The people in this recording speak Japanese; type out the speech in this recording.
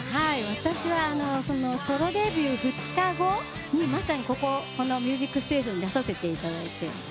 私は、ソロデビュー２日後に「ミュージックステーション」に出させていただいて。